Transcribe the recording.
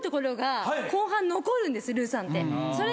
ルーさんって。